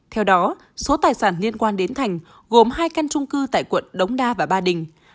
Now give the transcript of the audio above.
theo đó số tài sản liên quan đến thành gồm hai căn trung cư tại quận đống đa và ba đình